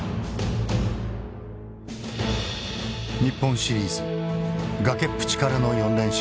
日本シリーズ崖っぷちからの４連勝。